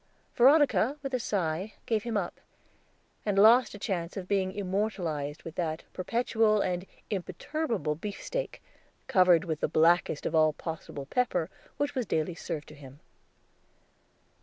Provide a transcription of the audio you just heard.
Veronica, with a sigh, gave him up, and lost a chance of being immortalized with that perpetual and imperturbable beefsteak, covered with "the blackest of all possible pepper," which was daily served to him.